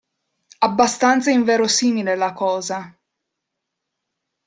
Abbastanza inverosimile la cosa.